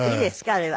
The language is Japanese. あれは。